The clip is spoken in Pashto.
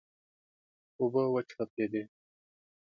اوبه وچړپېدې.